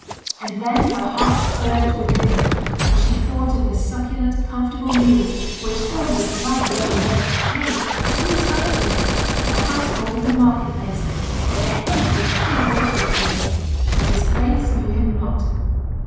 And then her heart burnt within her as she thought of the succulent, comfortable meals which Sylvia provided every day nay, three times a day for the household in the market place, at the head of which Philip ought to have been; but his place knew him not.